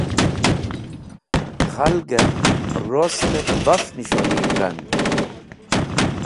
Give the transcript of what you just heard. Khalgẽr rostẽt baf nis̃hunig̃h rand.